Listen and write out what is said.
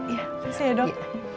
ya makasih ya dok